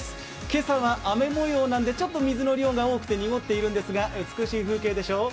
今朝は雨模様なんで水の量が多くて濁っているんですが、美しい風景でしょう？